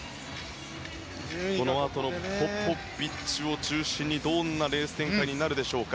このあとポポビッチを中心にどんなレース展開になるでしょうか。